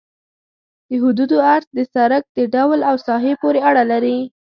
د حدودو عرض د سرک د ډول او ساحې پورې اړه لري